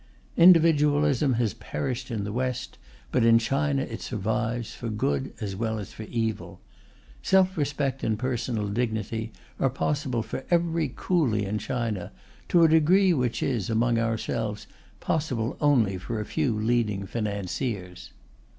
Individualism has perished in the West, but in China it survives, for good as well as for evil. Self respect and personal dignity are possible for every coolie in China, to a degree which is, among ourselves, possible only for a few leading financiers.